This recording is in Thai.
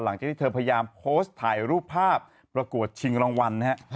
หลังจากที่เธอพยายามโพสต์ถ่ายรูปภาพประกวดชิงรางวัลนะฮะ